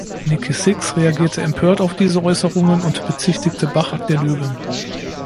Nikki Sixx reagierte empört auf diese Äußerungen und bezichtigte Bach der Lüge.